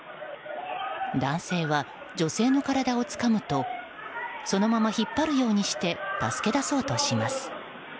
男性は、女性の体をつかむとそのまま引っ張るようにして助け出そうとします。